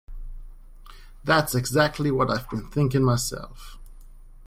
That's exactly what I've been thinking myself.